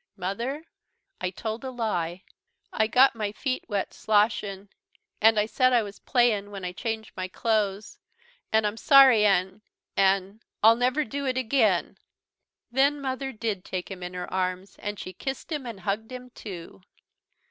"Mother I told a lie I got my feet wet sloshin' and I said I was playin' when I changed my clothes an' I'm sorry an' an' I'll never do it again." Then Mother did take him in her arms and she kissed him and hugged him too.